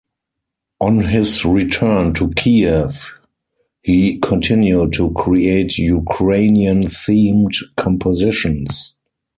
On his return to Kiev he continued to create Ukrainian themed compositions.